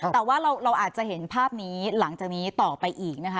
แต่ว่าเราอาจจะเห็นภาพนี้หลังจากนี้ต่อไปอีกนะคะ